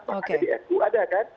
makanya di nu ada kan